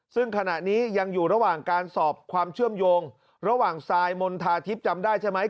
ซึ่งขณะนี้ยังอยู่ระหว่างการสอบความเชื่อมโยงระหว่างทรายมณฑาทิพย์จำได้ใช่ไหม